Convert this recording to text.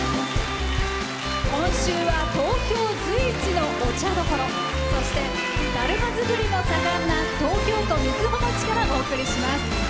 今週は東京随一のお茶どころそして、だるま作りの盛んな東京都瑞穂町からお送りします。